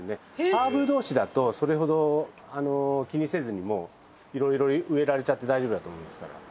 ハーブ同士だとそれほど気にせずにもう色々植えられちゃって大丈夫だと思いますから。